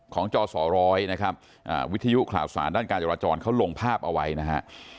จสร้อยนะครับวิทยุข่าวสารด้านการจราจรเขาลงภาพเอาไว้นะฮะ